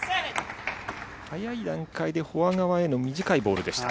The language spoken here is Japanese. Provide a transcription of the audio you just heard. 早い段階でフォア側への短いボールでした。